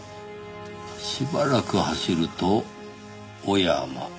しばらく走ると小山。